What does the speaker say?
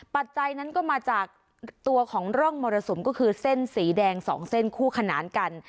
ปัจจัยนั้นก็มาจากตัวของร่องมรสุมก็คือเส้นสีแดง๒เส้นคู่ขนานกัน